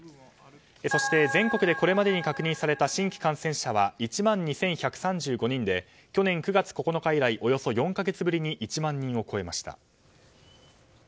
そして全国でこれまでに確認された新規感染者は１万２１３５人で去年９月９日以来およそ４か月ぶりに１万人を超えました。